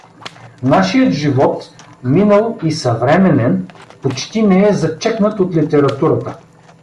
Нашият живот, минал и съвременен, почти не е зачекнат от литературата.